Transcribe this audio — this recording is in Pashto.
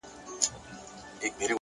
تمرکز ذهن له وېش څخه ژغوري